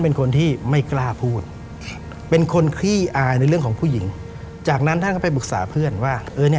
เป็นคนขี้อายในเรื่องของผู้หญิงจากนั้นท่านเขาไปปรึกษาเพื่อนว่า